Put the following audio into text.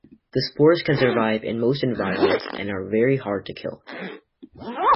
The spores can survive in most environments and are very hard to kill.